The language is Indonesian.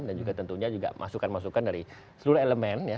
dan juga tentunya juga masukan masukan dari seluruh elemen ya